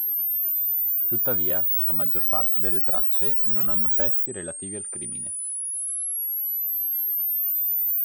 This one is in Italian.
Tuttavia, la maggior parte delle tracce non hanno testi relativi al crimine.